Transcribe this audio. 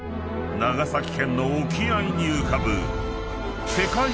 ［長崎県の沖合に浮かぶ］